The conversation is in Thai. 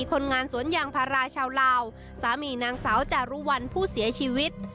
คนงานสวนยางพาราชาวลาวสามีนางสาวจารุวัลผู้เสียชีวิต